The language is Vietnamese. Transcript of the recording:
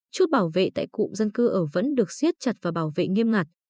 một mươi năm chút bảo vệ tại cụm dân cư ở vẫn được xiết chặt và bảo vệ nghiêm ngặt